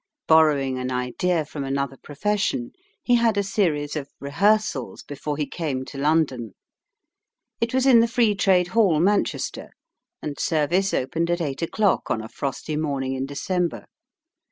Borrowing an idea from another profession, he had a series of rehearsals before he came to London. It was in the Free Trade Hall, Manchester, and service opened at eight o'clock on a frosty morning in December.